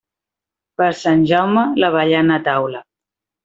Per Sant Jaume, l'avellana a taula.